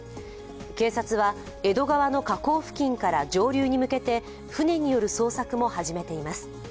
警察は江戸川の河口付近から上流に向けて船による捜索も始めています。